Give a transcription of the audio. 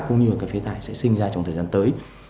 cũng như là cái phế thải sẽ sinh ra trong thời gian tới